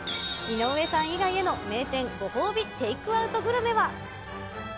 井上さん以外への名店ご褒美テイクアウトグルメは。